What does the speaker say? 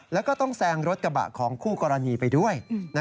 แล้วก็ต้องแซงรถกระบะของคู่กรณีไปด้วย